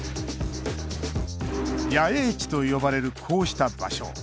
野営地と呼ばれる、こうした場所。